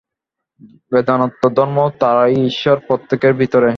বেদান্ত ধর্মেও তাই ঈশ্বর প্রত্যেকের ভিতরে।